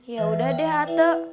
yaudah deh ate